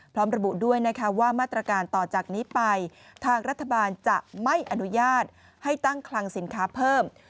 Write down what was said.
พร้อมระบุด้วยนะคะว่ามาตรการต่อจากนี้ไปทางรัฐบาลจะไม่อนุญาตให้ตั้งคลังสินค้าเพิ่ม